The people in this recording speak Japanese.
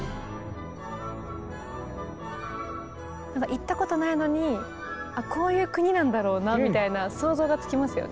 行ったことないのにこういう国なんだろうなみたいな想像がつきますよね。